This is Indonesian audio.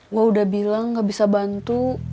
gue udah bilang gak bisa bantu